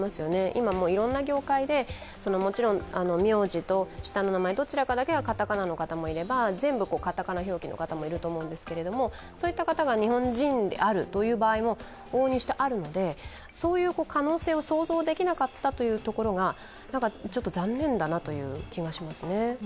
今いろんな業界で、もちろん名字と下の名前、どちらかだけがかたかなの方もいれば、全部かたかな表記の方もいると思うんですけど、そういった方が日本人であるという場合も往々にしてあるので、そういう可能性を想像できなかったところがちょっと残念だなという気がしますね。